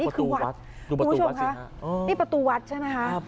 นี่คือประตูวัดดูชมค่ะนี่ประตูวัดใช่ไหมคะ